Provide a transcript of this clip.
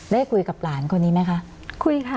ได้คุยกับหลานคนนี้ไหมคะคุยค่ะ